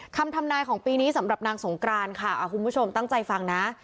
ทำนายของปีนี้สำหรับนางสงกรานค่ะคุณผู้ชมตั้งใจฟังนะ